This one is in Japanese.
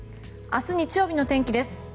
明日、日曜日の天気です。